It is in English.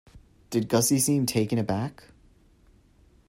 Did Gussie seem taken aback?